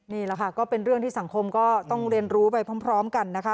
นี่แหละค่ะก็เป็นเรื่องที่สังคมก็ต้องเรียนรู้ไปพร้อมกันนะคะ